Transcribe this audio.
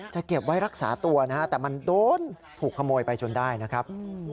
จะเก็บไว้รักษาตัวนะฮะแต่มันโดนถูกขโมยไปจนได้นะครับ